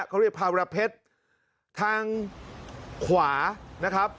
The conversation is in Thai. เขาเรียกภาระเพชรทางขวานะครับ